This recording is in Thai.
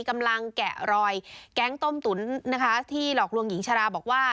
แกะรอยแก๊งต้มตุ๋นนะคะที่หลอกลวงหญิงชาราบอกว่า